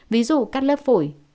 ví dụ cắt lớp phổi